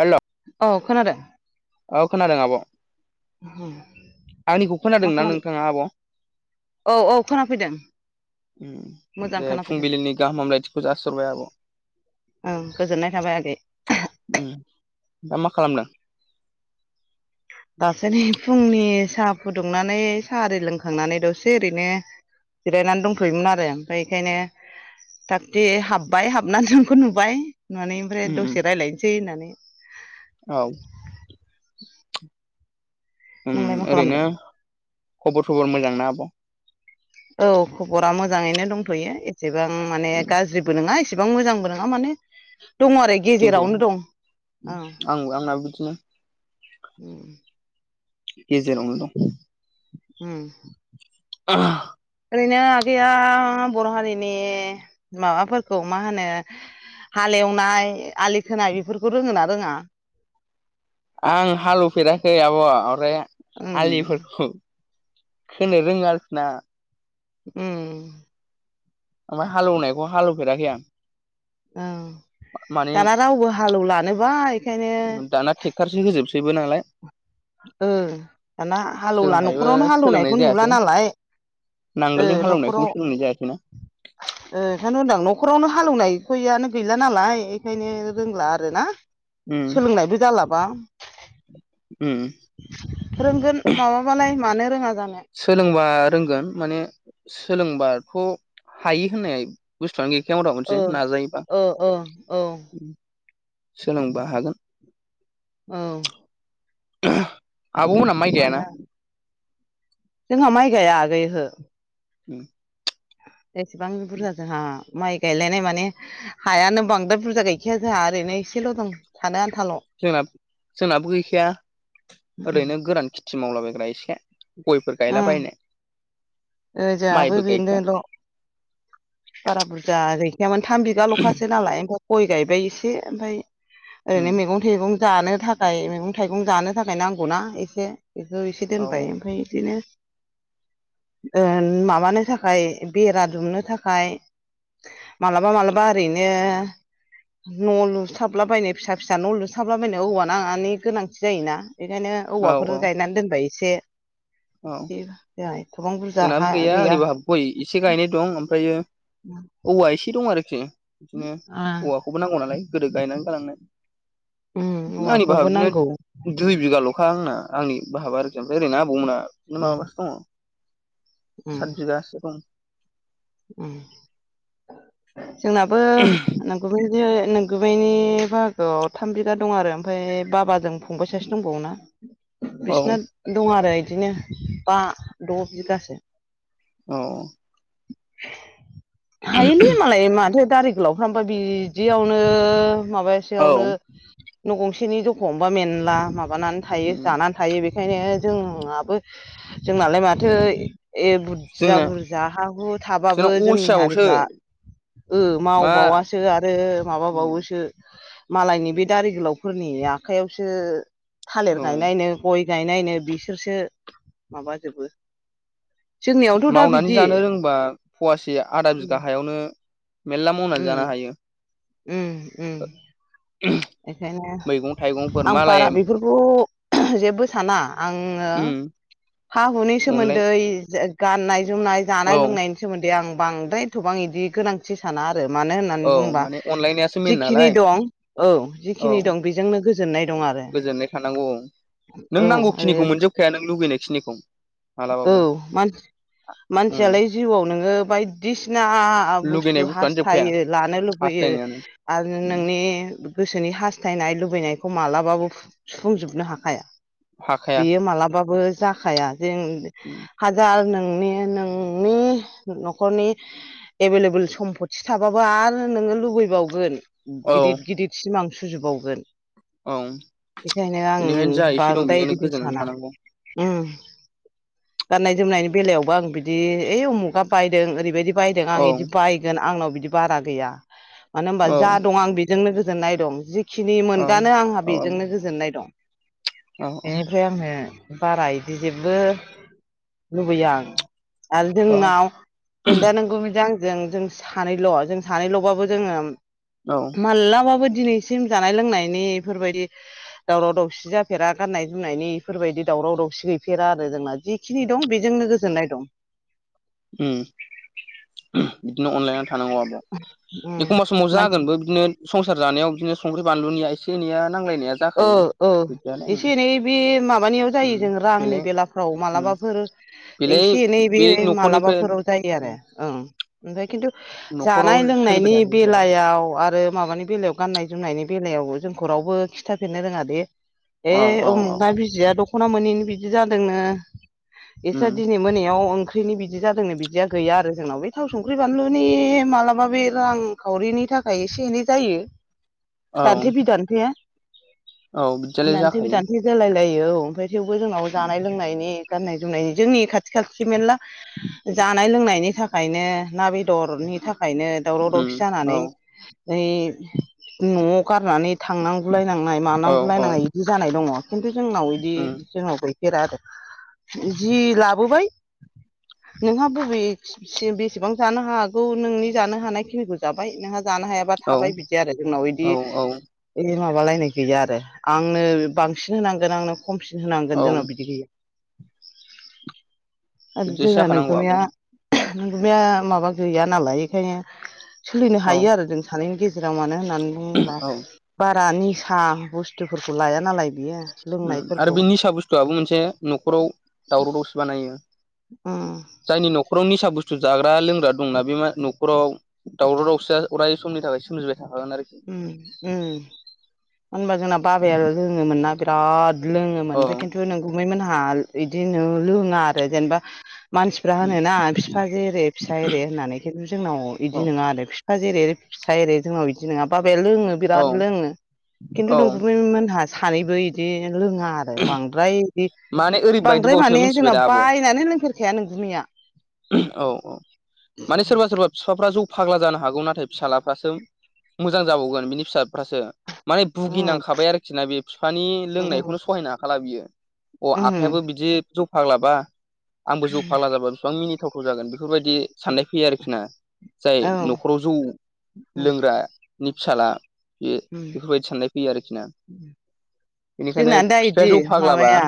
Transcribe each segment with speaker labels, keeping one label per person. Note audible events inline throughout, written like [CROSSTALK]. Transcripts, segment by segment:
Speaker 1: हेल'।
Speaker 2: औ खोनादों।
Speaker 1: औ खोनादों आब' आंनिखौ
Speaker 2: मा
Speaker 1: खोनादोंना
Speaker 2: खालाम
Speaker 1: नोंथाङा आब'।
Speaker 2: औ औ खोनाफैदों। मोजां
Speaker 1: दे
Speaker 2: खोनाफैदों
Speaker 1: फुंबिलिनि गाहाम हामलायथिखौ जासरबाय आब'।
Speaker 2: ओं गोजोननाय थाबाय आगै।
Speaker 1: उम दा मा खालामदों?
Speaker 2: दासो फुंनि साहा फुदुंनानै साहा लोंखांनानै दसे ओरैनो जिरायनानै दंथ'योमोन आरो ओमफ्राय बेखायनो थाख हाबबाय हाबनानै जोंखौ नुबाय नुनानै ओमफ्राय
Speaker 1: उम उम
Speaker 2: दसे रायजलायनोसै होननानै
Speaker 1: औ।
Speaker 2: औ।
Speaker 1: उम ओरैनो खबर थबर मोजांना आब'?
Speaker 2: औ खबरा मोजाङैनो दंथ'यो एसेबां माने गाज्रि नङा इसेबां मोजांबो नङा माने दङ आरो। गेजेरावनो दं औ
Speaker 1: आं आंनो बिदिनो।
Speaker 2: उम
Speaker 1: गेजेरावनो दं।
Speaker 2: उम।
Speaker 1: [UNINTELLIGIBLE]
Speaker 2: ओरैनो आगैया बर' हारिनि माबाफोरखौ मा होनो? हालेवनाय आलि खोनाय बेफोरखौ रोङोन ना रोङा?
Speaker 1: आं हालेवफेराखै आब' ओरै
Speaker 2: उम
Speaker 1: आलिफोरखौ [INAUDIBLE]
Speaker 2: उम।
Speaker 1: ओमफ्राय हालवनायखौ हालेफेराखै आं।
Speaker 2: औ
Speaker 1: माने
Speaker 2: दाना रावबो हालेवलानोबाय
Speaker 1: दाना ट्रेक्टरसो होजोबसैबो नालाय।
Speaker 2: ओ दाना हालेवला
Speaker 1: जोंहायबो
Speaker 2: न'खरावनो
Speaker 1: सोलोंनाय
Speaker 2: हालेवनायखौ
Speaker 1: जायासै
Speaker 2: नुला नालाय ओ
Speaker 1: नांगोलजों
Speaker 2: न'खराव
Speaker 1: हालेवनायखौबो सोलोंनाय जायासै ना।
Speaker 2: ओंखायनो होनदां न'खरावनो हालेवनायखौयानो गैला नालाय बेखायनो रोंला आरो ना।
Speaker 1: उम
Speaker 2: सोलोंनायबो जालाबा।
Speaker 1: उम।
Speaker 2: रोंगोन माबाबालाय मानो रोङा जानो।
Speaker 1: सोलोंबा रोंगोन माने सोलोंबाथ' हायो होननाय बुस्थुआनो गैखाया हदा
Speaker 2: ओ
Speaker 1: मोनसे नाजायोबा,
Speaker 2: ओ ओ औ
Speaker 1: सोलोंबा हागोन।
Speaker 2: औ।
Speaker 1: आबना
Speaker 2: [INAUDIBLE] जोंहा माइ गाया आगै ओहो।
Speaker 1: [INAUDIBLE]
Speaker 2: एसेबां बे बुरजा जाहा माइ गायलायनाय माने हायानो बांद्राय बुरजा गायखाया जोंहा ओरैनो एसेल' दं थानो आन्थाल'।
Speaker 1: जों जोंनाबो गैखाया ओरैनो गोरान खेथि मावलाबायग्रा एसे। गयफोर
Speaker 2: ओं
Speaker 1: गायलाबायनाय
Speaker 2: ओजाहाबो
Speaker 1: माइबो गायखाया।
Speaker 2: बेनोल' बारा बुरजा गैखायामोन थाम बिगाल'खासै नालाय ओमफ्राय गय गायबाय एसे ओमफ्राय ओरैनो मैगं थैगं जानो थाखाय मैगं थाइगं जानो थाखाय नांगौना एसे बेखौ एसे
Speaker 1: औ
Speaker 2: दोनबाय ओमफ्राय बिदिनो ओ माबानो थाखाय बेरा दुमनो थाखाय मालाबा मालाबा ओरैनो न' लुसथाबलाबायनो फिसा फिसा न' लुसाबला बायनो औवा नाङानि गोनांथि जायोना बेखायनो
Speaker 1: औ
Speaker 2: औवाफोर
Speaker 1: औ
Speaker 2: गायनानै दोनबाय एसे
Speaker 1: औ
Speaker 2: बिदि ज ए गोबां बुरजा
Speaker 1: जोंनाबो ओरै
Speaker 2: गैया
Speaker 1: बाहा गय एसे गायनाय दं ओमफ्रायो औवा एसे दं आरोखि बिदिनो औवा बो नांगौ नालाय गोदो गायनानै गालांनाय
Speaker 2: उम
Speaker 1: आंनि भाहा
Speaker 2: औवाखौबो
Speaker 1: बिदिनो
Speaker 2: नांगौ
Speaker 1: दुइ बिगाल'खा आंना आंनि बाहाबा आरोखि फ्राय ओरैनो आबौमोना बिदिनो
Speaker 2: उम
Speaker 1: माबासो दङ
Speaker 2: उम
Speaker 1: सात बिगासो खम
Speaker 2: जोंनाबो नोंगै नोंगैनि बाहागोआव थाम बिगा दं आरो ओमफ्राय बाबाजों फंबाय सासे दंबावा
Speaker 1: औ
Speaker 2: बिसना दं आरो बिदिनो बा द' बिगासो।
Speaker 1: औ
Speaker 2: हायोलै मालाय माथ दारिख गोलावफ्रामा बिदियावनो
Speaker 1: औ
Speaker 2: माबासेयावनो न' गंसेनि जख हबा मेनला माबानानै थायो
Speaker 1: उम
Speaker 2: जानानै थायो बेखायनो जोंहाबो जोंनालाय माथो ए बुरजा
Speaker 1: जोंना
Speaker 2: बुरजा हा हु थाबाबो
Speaker 1: जोंना
Speaker 2: जोंनि
Speaker 1: अलसियाबावसो
Speaker 2: हारिफ्रा
Speaker 1: मा
Speaker 2: मावबावासो आरो
Speaker 1: उम
Speaker 2: माबाबावोसो मालायनि बे दारि गोलावफोरनि आखाइयावसो
Speaker 1: औ
Speaker 2: थालिर गायनायनो गय गायनायनो बिसोरसो माबाजोबो जोंनियावथ' दा बिदि
Speaker 1: होनबा फवासे आदा
Speaker 2: उम
Speaker 1: बिगा हायावनो मेरला मावनानै
Speaker 2: उम
Speaker 1: जानो हायो
Speaker 2: बेखायनो
Speaker 1: मैगं थाइगंफोर
Speaker 2: आं
Speaker 1: मालाय
Speaker 2: बारा बेफोरखौ बेखौ जेबो साना आङो
Speaker 1: उम
Speaker 2: हा हुनि
Speaker 1: अनलाय
Speaker 2: सोमोन्दै गाननाय जोमनाय
Speaker 1: औ
Speaker 2: जानाय लोंनायनि सोमोन्दै आं बांद्रायथ'बां बिदि गोनांथि थि साना आरो मानो होननानै
Speaker 1: औ
Speaker 2: बुंबा
Speaker 1: माने अनलायनायासो मेन
Speaker 2: जिखिनि
Speaker 1: नालाय
Speaker 2: दं औ
Speaker 1: औ
Speaker 2: जिखिनि दं बेजोंनो गोजोननाय दं आरो
Speaker 1: गोजोननाय थानांगौ नों
Speaker 2: औ आरो
Speaker 1: नांगौखिनिखौ मोनजोबखाया नों लुुबैनायखिनिखौ
Speaker 2: औ
Speaker 1: उम
Speaker 2: मानसियालाय जिउआव नोङो बायदिसिना
Speaker 1: लुगैनाय
Speaker 2: बुस्थु
Speaker 1: बुस्थुआनो जोबखाया
Speaker 2: हास्थायो लानो लुबैयो
Speaker 1: हास्थायनायानो
Speaker 2: आरो
Speaker 1: उम
Speaker 2: नोंनि गोसोनि हास्थायनाय लुबैनायखौ मालाबाबो सुफुंजोबनो हाखाया
Speaker 1: हाखाया
Speaker 2: बियो मालाबाबो जाखाया जों
Speaker 1: उम
Speaker 2: हाजार नोंनि नोंनि न'खरनि एभेलेबोल सम्फथि थाबाबो आरो नोङो लुबैबावगोन
Speaker 1: औ
Speaker 2: गिदिर गिदिर सिमां सुजोबावगोन
Speaker 1: औ
Speaker 2: बेखायनो आं
Speaker 1: बेनिखायनो जा एसे दं बेजोंनो
Speaker 2: बांद्रायदिबो
Speaker 1: गोजोननानै
Speaker 2: साना
Speaker 1: थानांगौ
Speaker 2: गाननाय जोमनायनि बेलायावबो आं बिदि ओइ उमुगा बायदों ओरैबायदि बायदों
Speaker 1: औ
Speaker 2: आं बिदि बायगोन आंनाव बिदि बारा गैया मानो होनबा
Speaker 1: औ
Speaker 2: जा दं आं बेजोंनो गोजोननाय दं जिखिनि
Speaker 1: औ
Speaker 2: मोनबानो आंहा
Speaker 1: औ आब'
Speaker 2: बेजोंनो गोजोननाय दं बेनिफ्राय आङो बारा बिदि जेबो लुबैयो आं आरो
Speaker 1: औ
Speaker 2: जोंनाव जों दा नोंगौ बिदि आंजों जों सानैल' जों सानैल'बाबो जोङो
Speaker 1: औ
Speaker 2: माबलाबाबो दिनैसिम जानाय लोंनायनि बेफोरबायदि दावराव दावसि जाफेरा गाननाय जोमनायनि बेफोरबायदि दावराव दावसि गैफेरा आरो जोंना जि बेखिनि दं बेजोंनो गोजोननाय दं
Speaker 1: उम बिदिनो अनलायनानै थानांगौ आब'
Speaker 2: उम
Speaker 1: एखमबा समाव
Speaker 2: मानसि
Speaker 1: जागोनबो बिदिनो संसार जानायाव बिदिनो संख्रि बानलुनिया एसे एनैया नांलायनाया
Speaker 2: ओ
Speaker 1: जाखायो
Speaker 2: ओ
Speaker 1: बिदियानो उम
Speaker 2: एसे एनै बे माबानियाव जायो
Speaker 1: उम
Speaker 2: जों रांनि
Speaker 1: बेलाय
Speaker 2: बेलाफ्राव
Speaker 1: उम
Speaker 2: मालाबाफोर
Speaker 1: बेलाय
Speaker 2: एसे एनै बे
Speaker 1: न'खरनिफ्राय
Speaker 2: मालाबाफोराव जायो आरो ओं ओमफाय खिन्थु
Speaker 1: न'खराव
Speaker 2: जानाय
Speaker 1: सोलिबाय
Speaker 2: लोंनायनि
Speaker 1: थाखो बिदियालाय
Speaker 2: बेलायाव आरो माबानि बेलायाव गाननाय जोमनायनि बेलायावबो जोंखौ रावबो खिथाफेरनो रोङा बे बे
Speaker 1: औ औ औ
Speaker 2: उमुखना बिजिया दख'ना मोनैनि बिदि जादोंनो इसा
Speaker 1: उम
Speaker 2: दिनै मोनायाव ओंख्रि ओंख्रिनि बिदि जादोंनो बिदिया गैया आरो जोंनाव बे थाव संख्रि बानलुनि मालाबा बे रां खावरिनि थाखाय एसे एनै जायो।
Speaker 1: [UNINTELLIGIBLE]
Speaker 2: दान्थे बि दान्थे
Speaker 1: औ बिदियालाय
Speaker 2: दान्थे
Speaker 1: जाखायो
Speaker 2: बिदान्थे जालाय लायो ओमफ्राय थेवबो जोंनाव जानाय लोंनायनि गाननाय जोमनाय जोंनि खाथि खाथि मेलला जानाय लोंनायनि थाखायनो ना बेदरनि थाखायनो दावराव
Speaker 1: उम
Speaker 2: दावसि
Speaker 1: औ
Speaker 2: जानानै नै न'आव गारनानै थांनां गुगुलाय नांनाय
Speaker 1: औ
Speaker 2: मानांगुलाय
Speaker 1: औ
Speaker 2: नांनाय इदि जानाय दङ खिन्थु जोंनाव बिदि
Speaker 1: उम
Speaker 2: जोंनाव गैफेरा आरो जि लाबोबाय नोंहा बबे से-बेसेबां जानो हागौ नोंनि जानो हानाय खिनिखौ जाबाय नोंहा जानो हायाबा
Speaker 1: औ
Speaker 2: थाबाय बिदि आरो जोंनाव इदि
Speaker 1: औ औ
Speaker 2: माबालायनाय गैया आरो आंनो बांसिन होनांगोन आंनो खमसिन होनांगोन
Speaker 1: औ
Speaker 2: जोंनाव बिदि गैया। आरो
Speaker 1: बिदिसो
Speaker 2: जोंहा
Speaker 1: जाखानांगौ आब'
Speaker 2: नोंगुमैया नोंगुमैया माबा गैया नालाय एखायनो सोलिनो
Speaker 1: औ
Speaker 2: हायो आरो जों सानैनि गेजेराव मानो होननानै बुङोबा
Speaker 1: औ
Speaker 2: बारा निसा बुस्थुफोरखौ लाया नालाय बियो
Speaker 1: आरो
Speaker 2: लोंनायफोरखौ
Speaker 1: बे निसा बुस्थुआबो मोनसे न'खराव दावराव दावसि बानायो।
Speaker 2: उम
Speaker 1: जायनि न'खराव निसा बुस्थु जाग्रा लोंग्रा दंना बे मा न'खराव दावराव दावसिया अराय समनि थाखाय सोमजिबाय थाखागोन आरखि
Speaker 2: उम उम मानो होनबा जोंना बाबायानो लोङोमोनना बिराद लोङोमोन आमफाय खिन्थु नोंगुमैमोनहा इदि नो लोङा आरो जेनेबा मानसिफ्रा होनोना बिफा जेरै फिसा एरे होननानै खिन्थु जोंनाव
Speaker 1: औ
Speaker 2: इदि नङा आरो फि फिफा जेरै फिसा एरै जोंनाव बिदि नङा बाबाया लोङो
Speaker 1: औ
Speaker 2: बिराद लोङो। खिन्थु
Speaker 1: औ
Speaker 2: नोंगुमैमोनहा सानैबो इदि लोङा आरो बांद्राय बिदि
Speaker 1: माने
Speaker 2: बांद्राय
Speaker 1: ओरैबायदिबावसो
Speaker 2: माने
Speaker 1: मिथिबाय
Speaker 2: जोंना
Speaker 1: दा आब'
Speaker 2: बायनानै लोंफेरखाया नोंगुमैया।
Speaker 1: औ औ माने सोरबा सोरबा फिफाफ्रा जौ फाग्ला जानो हागौ नाथाय फिसाज्लाफ्रासो मोजां जाबावगोन बिनि फिसाफ्रासो माने
Speaker 2: उम
Speaker 1: भुगिनांखाबाय आरोखि ना बे फिफानि
Speaker 2: उम
Speaker 1: लोंनायखौनो सहायनो हाखाला बियो अ आफायाबो
Speaker 2: उम
Speaker 1: बिदि जौ फाग्ला बा आंबो जौ फाग्ला जाबा बिसिबां मिनि थावथाव जागोन बेफोरबायदि साननाय फैयो आरोखि ना। जाय
Speaker 2: औ
Speaker 1: न'खराव जौ
Speaker 2: उम
Speaker 1: लोंग्रानि फिसाला बे
Speaker 2: उम
Speaker 1: बेफोरबायदि साननाय फैयो आरखि ना बेनिखायनो
Speaker 2: जोंना दा
Speaker 1: फिफाया
Speaker 2: इदि
Speaker 1: जौ फाग्लाबा
Speaker 2: माबाया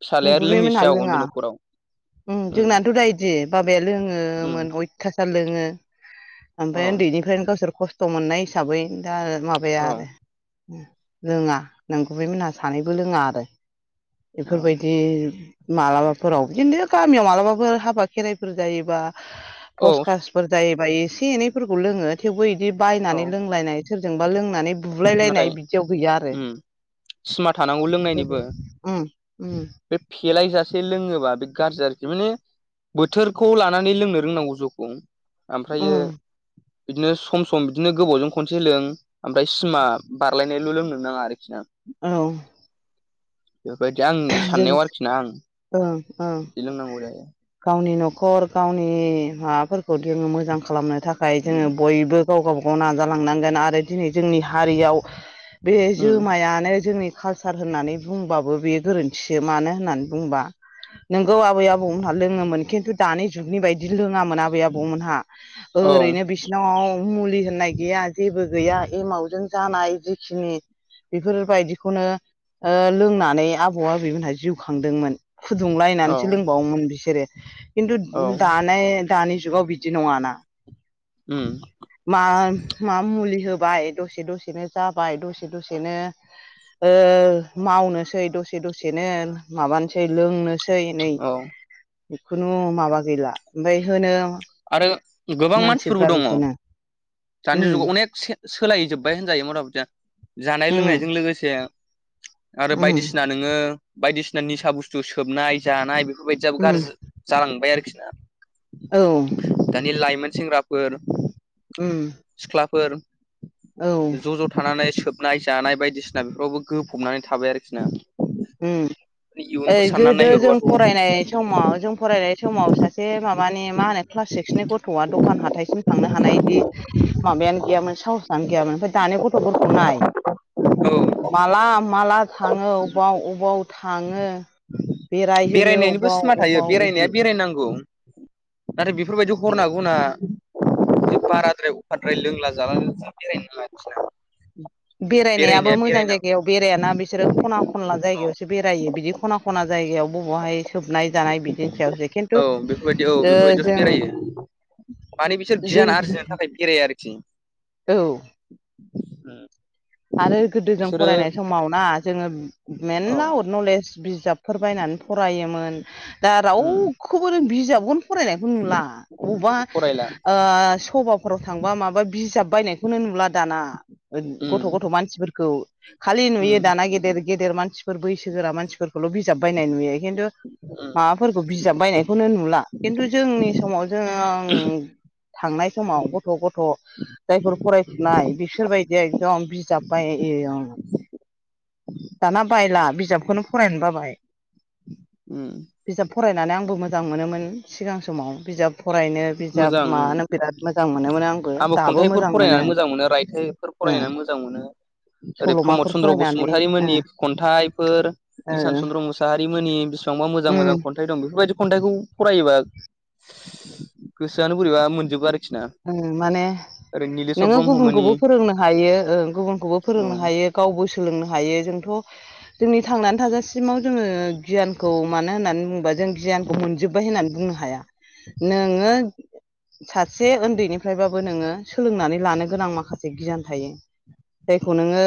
Speaker 1: फिसालाया आरो लोंङिसो
Speaker 2: नोंगुमैमोनहा
Speaker 1: जाबावगोन
Speaker 2: लोङा
Speaker 1: बे न'खराव
Speaker 2: उम जोंनाथ' दा इदि बाबाया लोङोमोन
Speaker 1: उम
Speaker 2: अयथसार लोङो
Speaker 1: औ
Speaker 2: आमफाय उन्दैनिफ्रायनो गावसोर खस्थ' मोननाय हिसाबै दा
Speaker 1: औ
Speaker 2: माबाया आरो लोङा नोंगुमोनहा सानैबो लोंआ आरो बेफोरबायदि मालाबाफोराव बिदिनो गामियाव मालाबाफोर हाबा खेराइफोर जायोबा
Speaker 1: औ
Speaker 2: पसकास फोर जायोबा एसे एनैफोरखौ लोङो। थेवबो इदि
Speaker 1: औ
Speaker 2: बायनानै लोंलायनाय सोरजोंबा लोंनानै
Speaker 1: नाथाय
Speaker 2: बुलायलायनाय बिदियाव गैया आरो
Speaker 1: उम सिमा थानांगौ लोंनायनिबो
Speaker 2: बेफोरबायदि उम उम
Speaker 1: बे फेलायजासे लोङोबा बे गाज्रि [UNINTELLIGIBLE] माने बोथोरखौ लानानै लोंनो रोंनांगौ जौखौ आमफ्रायो
Speaker 2: उम
Speaker 1: बिदिनो सम स सम बिदिनो गोबावजों खनसे लों आमफाय सिमा बारलायनायल' लोंनोनो नाङा आरखि ना।
Speaker 2: औ
Speaker 1: बेफोरबायदि आंनि
Speaker 2: जों
Speaker 1: साननायाव आरोखि ना ओं
Speaker 2: ओं ओं
Speaker 1: बिदि लोंनांगौ जायो।
Speaker 2: गावनि नखर गावनि माबाफोरखौ जोङो मोजां खालामनो थाखाय जोङो बयबो गाव गावबा गाव नाजालांनांगोन आरो दिनै जोंनि हारियाव बे
Speaker 1: उम
Speaker 2: जोमायानो जोंनि कालसार होननानै बुंबाबो बे गोरोन्थिसो मानो होननानै बुंबा नोंगौ आबै आबौमोनहा लोङोमोन खिन्थु दानि जुगनि बायदि लोङामोन आ बै आबै मोनहा
Speaker 1: उम
Speaker 2: ओरैनो बिस नाव मुलि होननाय गैया जेबो गैया एमावजों जानाय जिखिनि बेफोरबायदिखौनो ओ लोंनानै आ आबौ आबैमोनहा जिउ खांदोंमोन
Speaker 1: औ
Speaker 2: फुदुंलायनानैसो लोंबावोमोन बिसोरो। खिन्थु
Speaker 1: औ
Speaker 2: दानाय दानि जुगाव बिदि नङाना
Speaker 1: उम
Speaker 2: मा मा मुलि होबाय दसे दसेनो जाबाय दसे दसेनो ओ मावनोसै दसे दसे दसेनो माबानोसै लोंनोसै नै
Speaker 1: औ
Speaker 2: बे खुनु माबा गैला ओमफ्राय होनो
Speaker 1: आरो गोबां मानसिफोरबो
Speaker 2: मानसिफ्रा
Speaker 1: दङ
Speaker 2: बेखौनो
Speaker 1: दानि
Speaker 2: उम
Speaker 1: जुगाव अनेख से सोलायजोब्बाय होनजायो मथा मथिया जानाय
Speaker 2: उम
Speaker 1: लोंनायजों लोगोसे आरो
Speaker 2: उम
Speaker 1: बायदिसिना नोङो बायदिसिना निसा बुस्थु सोबनाय जानाय बेफोरबायदियाबो
Speaker 2: उम
Speaker 1: गाज्रि जालांबाय आरोखिना
Speaker 2: औ
Speaker 1: दानि लाइमोन सेंग्राफोर
Speaker 2: उम
Speaker 1: सिख्लाफोर
Speaker 2: औ
Speaker 1: ज' ज' थानानै सोब नाय जानाय बायदिसिना बेफोरावबो गोफबनानै थाबाय आरोखिना
Speaker 2: उम ओइ गोदो जों
Speaker 1: नायहरबाथ'
Speaker 2: फरायनाय समाव जों फरायनाय समाव सासे माबानि मा होनो क्लास सिक्सनि गथ'आ दखान हाथायसिम थांनो हानाय बिदि माबायानो गैयामोन साहसानो गैयामोन दानि गथ'फोरखौ नाय
Speaker 1: औ
Speaker 2: माला माला थाङो अबाव अबाव थाङो बेरायहैयो
Speaker 1: बेरायनायनिबो
Speaker 2: अबाव
Speaker 1: सिमा थायो
Speaker 2: अबाव
Speaker 1: बेरायनाया
Speaker 2: इदि
Speaker 1: बेरायनांगौ नाथाय बेफोरबायदि हरना हागौना [UNINTELLIGIBLE] बे बाराद्राय अफारद्राय लोंला जाला जों बेरायनो नाङा आरोखिना
Speaker 2: बेरायनायाबो मोजां जायगायाव बेरायाना बिसोरो खना खनला
Speaker 1: औ
Speaker 2: जायगायावसो बेरायो बिदि खना खना जायगायाव बबहाय सोबनाय जानाय बि दिनिसायावसो
Speaker 1: औ
Speaker 2: खिन्थु
Speaker 1: बेफोरबायदि औ
Speaker 2: ओ
Speaker 1: बेफोरबायदियावसो
Speaker 2: जों
Speaker 1: बेरायो माने बिसोर
Speaker 2: जों
Speaker 1: गियान आरजिनो थाखाय बेराय आरोखि
Speaker 2: औ
Speaker 1: उम
Speaker 2: आरो गोदोजों फरायनाय समाव ना जोङो
Speaker 1: औ
Speaker 2: मेरला आवोद नलेज बिजाबफोर बायनानै फरायोमोन दा
Speaker 1: उम
Speaker 2: रावखौबो जों बिजाबखौनो फरायनायखौ नुला ओ अबावबा
Speaker 1: फरायला
Speaker 2: ओ सभाफोराव थांबा माबा बिजाब बायनाय खौनो नुला दाना
Speaker 1: उम
Speaker 2: गथ' [UNINTELLIGIBLE] गथ' गथ' मानसिफोरखौ खालि
Speaker 1: उम
Speaker 2: नुयो दाना गेदेर गेदेर मानसिफोर बैसोगोरा मानसिफोर खौल' बिजाब बायनाय नुयो खिन्थु
Speaker 1: उम
Speaker 2: माबाफोरखौ बिजाब बायनायखौनो नुला खिन्थु जोंनि समाव जों थांनाय समाव गथ' गथ' जायफोर फरायफुनाय बिसोर बायदिया दम बिजाब बायं दाना बायला बिजाबखौनो फरायनो बाबाय
Speaker 1: उम
Speaker 2: बिजाब फरायनानै आंबो मोजां मोनोमोन सिगां समाव बिजाब फरायनो बिजाब
Speaker 1: मोजां उम
Speaker 2: माबानो बिराद मोजां मोनोमोनो आंबो दाबो बिराद मोजां मोनो। ओ
Speaker 1: फरायना मोजां मोनो ओरै प्रमद
Speaker 2: सल'माफोर
Speaker 1: चन्द्र
Speaker 2: फरायनानै
Speaker 1: बसुमतारि
Speaker 2: ओ
Speaker 1: मोननि खन्थाइफोर
Speaker 2: ओ
Speaker 1: ईसान चन्द्र मुसाहारि मोननि बिसेबां
Speaker 2: उम
Speaker 1: मोजां-मोजां खन थाय दं बिफोरबादि खन्थायखौ फरायोबा गोसोआनो बोरैबा मोन-
Speaker 2: उ माने
Speaker 1: निलेशवर
Speaker 2: नोङो
Speaker 1: ब्रह्ममोननि
Speaker 2: गुबुनखौबो फोरोंनो हायो ओ गुबुनखौबो
Speaker 1: औ
Speaker 2: फोरोंनो हायो। गावबो सोलोंनो हायो जोंथ' जोंनि थांनानै थाजासिमाव जोङो गियानखौ मानो होननानै बुंबा जों गियान खौ मोनजोबबाय होननानै बुंनो हाया नोङो सासे उन्दैनिफ्रायबाबो नोङो सोलोंनानै लानो गोनां माखासे गियान थायो। जायखौ नोङो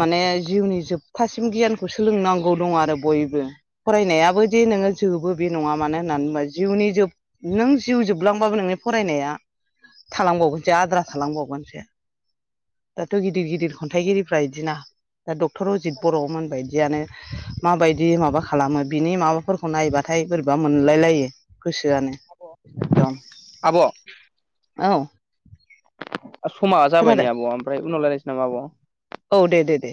Speaker 2: माने जिउनि जोबथासिम गियानखौ सोलोंनांगौ दङो आरो बयबो फरायनायाबो जे नोङो जोबो बे नङा मानो होननानै बुोबा जिउनि जोब नों जिउ जोब- लांबाबो नोंनि फरायनाया थालांबावगोनसो आद्रा थालांबावगोनसो। दाथ' गिदिर-गिदिर खन्थाइगिरिफ्रा इदिना दा डक्टर अजित बर'आव मोनबायदियानो माबायदि माबा खालामो बिनि माबाफोरखौ नायबाथाय बोरैबा मोनलायलायो। गोसोआनो
Speaker 1: औ [INAUDIBLE]
Speaker 2: दं औ
Speaker 1: समा जाबायनि
Speaker 2: खोनादों
Speaker 1: आब' ओमफ्राय उनाव लारायनोसै नामा आब'?
Speaker 2: औ दे दे दे